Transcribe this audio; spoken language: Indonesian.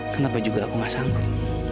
kenapa juga aku gak sanggup